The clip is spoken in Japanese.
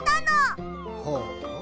ほう。